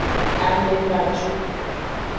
Ame facu.